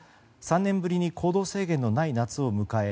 ３年ぶりに行動制限のない夏を迎え